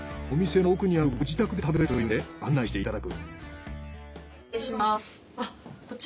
お店の奥にあるご自宅で食べるというので案内していただく。